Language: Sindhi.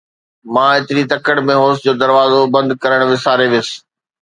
مان ايتري تڪڙ ۾ هوس جو دروازو بند ڪرڻ وساري ويس